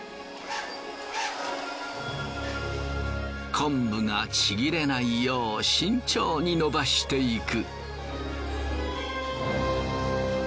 昆布がちぎれないよう慎重に伸ばしていく。